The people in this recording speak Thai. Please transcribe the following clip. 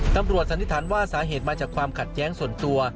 สันนิษฐานว่าสาเหตุมาจากความขัดแย้งส่วนตัว